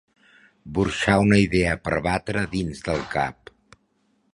Burxar una idea per batre a dins del cap.